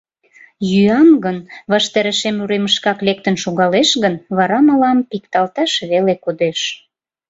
Йӱам гын, ваштарешем уремышкак лектын шогалеш гын, вара мылам пикталташ веле кодеш...